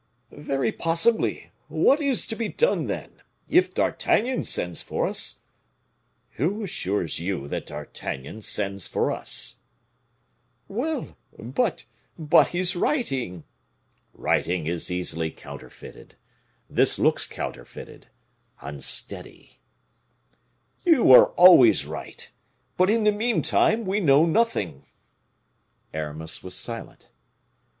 "Very possibly; what is to be done, then? If D'Artagnan sends for us " "Who assures you that D'Artagnan sends for us?" "Well, but but his writing " "Writing is easily counterfeited. This looks counterfeited unsteady " "You are always right; but, in the meantime, we know nothing." Aramis was silent.